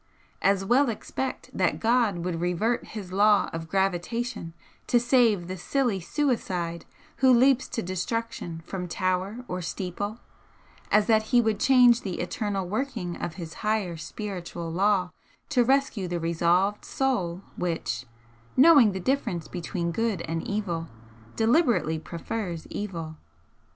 As well expect that God would revert His law of gravitation to save the silly suicide who leaps to destruction from tower or steeple, as that He would change the eternal working of His higher Spiritual Law to rescue the resolved Soul which, knowing the difference between good and evil, deliberately prefers evil.